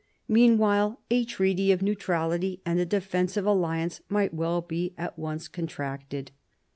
Meanwhile a treaty of neutrality, and a defensive alliance, might be at once contracted.